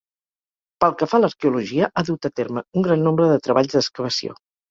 Pel que fa a l'arqueologia, ha dut a terme un gran nombre de treballs d'excavació.